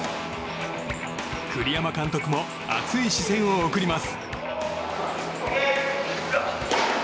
栗山監督も熱い視線を送ります。